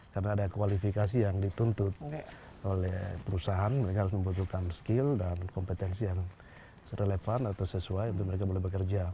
karena ada kualifikasi yang dituntut oleh perusahaan mereka harus membutuhkan skill dan kompetensi yang relevan atau sesuai untuk mereka boleh bekerja